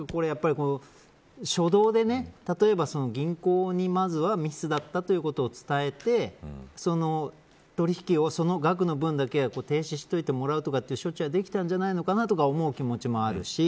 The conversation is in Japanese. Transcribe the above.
初動で、例えば銀行にまずはミスだったということを伝えて取引をその額の分だけ停止しといてもらうとかそういう措置ができたのではないかと思う気持ちもあるし